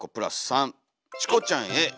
チコちゃんへ。